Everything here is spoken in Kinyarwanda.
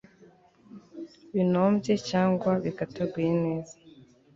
binombye cyangwa bikataguye neza